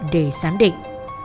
để xám định